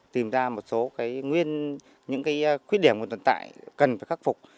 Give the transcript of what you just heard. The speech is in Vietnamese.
tìm ra một số cái nguyên những cái khuyết điểm của tồn tại cần phải khắc phục